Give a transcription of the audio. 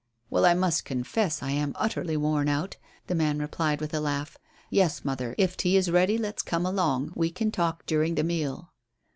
"Well, I must confess I am utterly worn out," the man replied with a laugh. "Yes, mother, if tea is ready let's come along. We can talk during the meal."